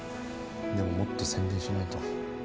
でももっと宣伝しないと。